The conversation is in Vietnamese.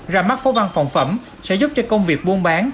ra mắt phố văn phòng phẩm sẽ giúp cho công việc buôn bán